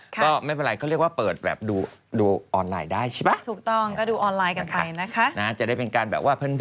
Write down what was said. ก็ไม่เป็นไรเขาเรียกว่า